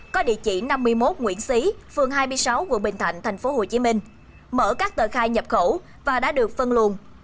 có địa chỉ năm mươi một nguyễn xí phường hai mươi sáu quận bình thạnh tp hcm mở các tờ khai nhập khẩu và đã được phân luồn